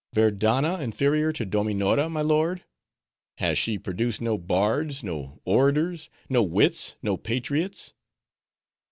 "Verdanna inferior to Dominora, my lord!—Has she produced no bards, no orators, no wits, no patriots?